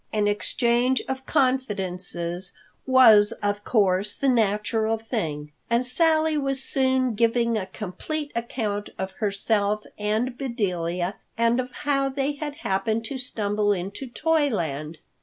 An exchange of confidences was, of course, the natural thing, and Sally was soon giving a complete account of herself and Bedelia and of how they had happened to stumble into Toyland.